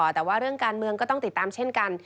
แต่ว่าเรื่องการเมืองก็ต้องติดตามเช่นกัน